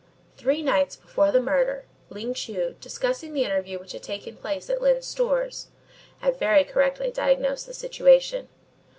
Three nights before the murder, Ling Chu, discussing the interview which had taken place at Lyne's Stores, had very correctly diagnosed the situation.